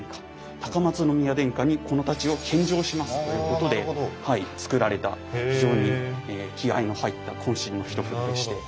高松宮殿下にこの太刀を献上しますということでつくられた非常に気合いの入ったこん身の一振りでして。